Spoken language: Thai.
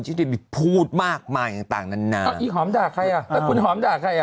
ที่จะพูดมากมายังต่างนั้นนะอ้าวอีหอมด่าใครอ่ะคุณหอมด่าใครอ่ะ